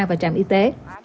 và trạm y tế